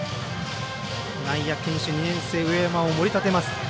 内野堅守、２年生、上山を盛り立てます。